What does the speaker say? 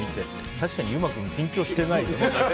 確かに優馬君、緊張してないよね。